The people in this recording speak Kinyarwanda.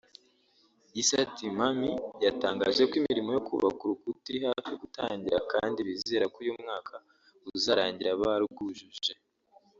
Issa Timamy yatangaje ko imirimo yo kubaka urukuta iri hafi gutangira kandi bizera ko uyu mwaka uzarangira barwujuje